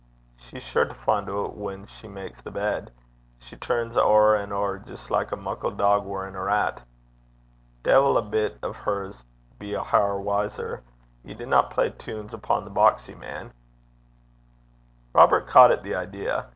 'She's sure to fin' oot whan she mak's the bed. She turns 't ower and ower jist like a muckle tyke (dog) worryin' a rottan (rat).' 'De'il a bit o' her s' be a hair wiser! Ye dinna play tunes upo' the boxie, man.' Robert caught at the idea.